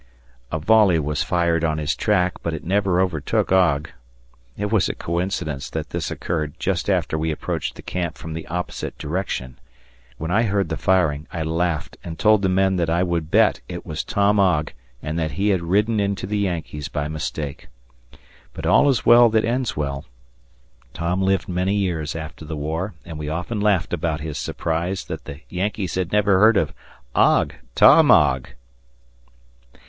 A volley was fired on his track, but it never overtook Ogg. It was a coincidence that this occurred just after we approached the camp from the opposite direction. When I heard the firing, I laughed and told the men that I would bet it was Tom Ogg and that he had ridden into the Yankees by mistake. But all is well that ends well. Tom lived many years after the war, and we often laughed about his surprise that the Yankees had never heard of "Ogg, Tom Ogg!"